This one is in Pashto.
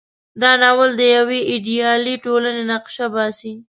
دا ناول د یوې ایډیالې ټولنې نقشه باسي.